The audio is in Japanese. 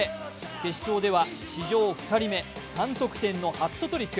決勝では史上２人目、３得点のハットトリック。